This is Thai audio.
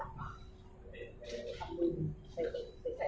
เออทำรุ่นไปใส่หลังเลยเนี่ย